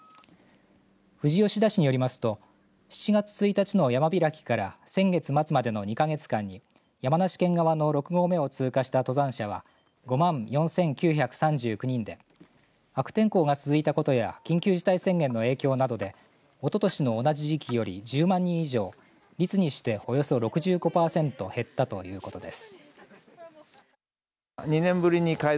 富士吉田市によりますと７月１日の山開きから先月末までの２か月間に山梨県側の６合目を通過した登山者は５万４９３９人で悪天候が続いたことや緊急事態宣言の影響などでおととしの同じ時期より１０万人以上率にして、およそ６５パーセント減ったということです。